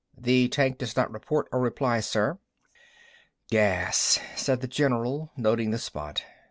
The tank does not report or reply, sir." "Gas," said the general, noting the spot.